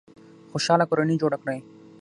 خوشحاله کورنۍ جوړه کړئ